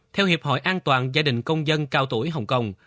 theo hiệp hội an toàn gia đình công dân cao tuổi hồng kông